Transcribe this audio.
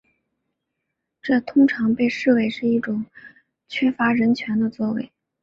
这通常被视为是一种缺乏人权的作为。